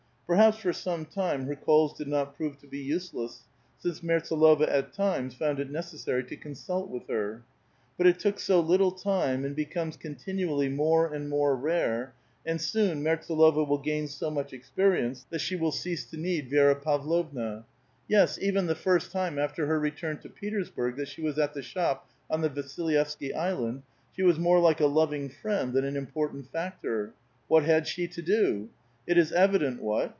Perhaps for some time her calls did not prove to be useless, since Mertsdlova at times found it necessary to consult with her. But it took so little time and becomes continually more and more rare, and soon Mertsdlova will gain so much experience that she will cease 888 * A VITAL QUESTION. to need Vi6ra Pavlovna. Yes, even the first time after her return to l'et4^i*sburg that she was at the shop on the Yasil yevsky Island, she was more like a loving friend than an im portant factor. What had she to do? It is evident what.